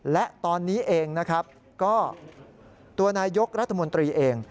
และตอนนี้เองตัวนายกรัฐมนตรีเอง